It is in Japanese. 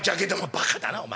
「バカだなお前。